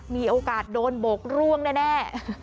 มีโอกาสโดนโบกร่วงแน่